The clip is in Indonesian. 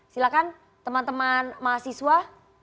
silahkan teman teman mahasiswa